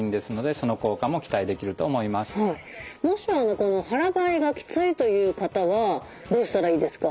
もしこの腹ばいがきついという方はどうしたらいいですか？